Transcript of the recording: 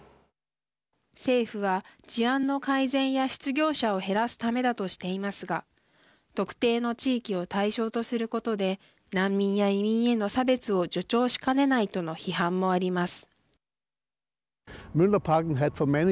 政府は治安の改善や失業者を減らすためだとしていますが特定の地域を対象とすることで難民や移民への差別を助長しかねないとの批判もあります。